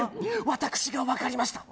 私が分かりました